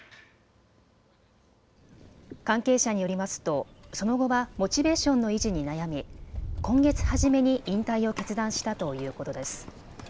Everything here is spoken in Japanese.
関係者によりますとその後はモチベーションの維持に悩み今月初めに引退を決断したということです。